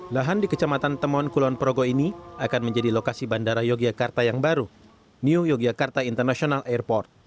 lahan di kecamatan temon kulon progo ini akan menjadi lokasi bandara yogyakarta yang baru new yogyakarta international airport